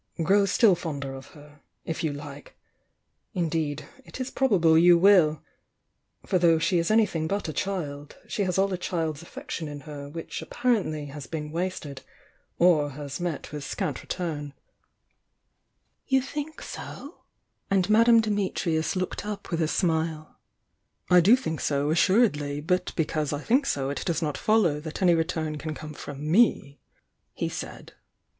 Grow still fonder of her, if you like! — indeed, it is probable you will. For Uiough she is anything but a child, she has aJl a child's affec tion in her which apparently has been waated, or has met with scant return." IB ir 1r ii I 194 THE YOUNG DIANA "You think so?" And Madame Dimitrius looked up with a smile. t ^v i .. "I do think so, assuredly, but because I thmk so it does not Mow that any return can come from me," he said.